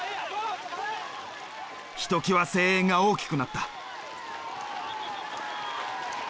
ひときわ声援が大きくなった。